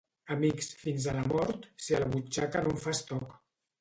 Amics fins a la mort, si a la butxaca no em fas toc.